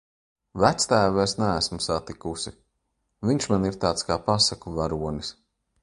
Vectēvu es neesmu satikusi, viņš man ir tāds kā pasaku varonis.